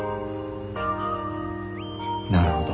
なるほど。